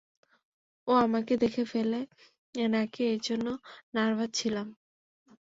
ও আমাকে দেখে ফেলে নাকি এজন্য নার্ভাস ছিলাম।